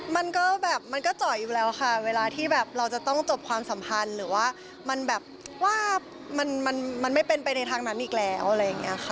มันก็แบบมันก็จ่อยอยู่แล้วค่ะเวลาที่แบบเราจะต้องจบความสัมพันธ์หรือว่ามันแบบว่ามันไม่เป็นไปในทางนั้นอีกแล้วอะไรอย่างนี้ค่ะ